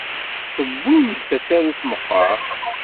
Tewwim-d tasarut meqqar?